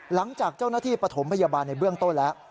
หลังจากเจ้าหน้าที่ปฐมพยาบาลในเบื้องต้นแล้ว